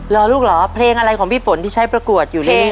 เหรอลูกเหรอเพลงอะไรของพี่ฝนที่ใช้ประกวดอยู่นี่